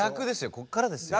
ここからですよ。